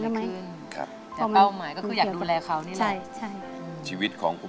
สวัสดีครับ